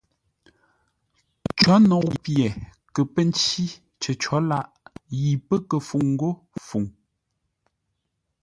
Có nou pye kə pə́ ncí cər cǒ làʼ yi pə́ kə fúŋ ńgó Fuŋ.